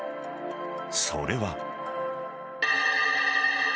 それは。